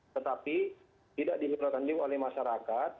tetapi tidak dimiliki juga oleh masyarakat